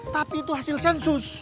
tapi itu hasil sensus